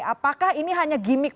apakah ini hanya gimmick